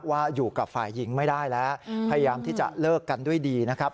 ว่าอยู่กับฝ่ายหญิงไม่ได้แล้วพยายามที่จะเลิกกันด้วยดีนะครับ